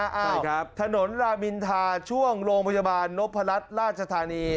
ใช่ครับถนนรามินทาช่วงโรงพยาบาลนพรัชราชธานี